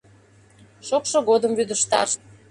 Шокшо годым вӱдыжташ.